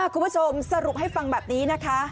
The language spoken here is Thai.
คุณผู้ชมสรุปให้ฟังแบบนี้นะคะ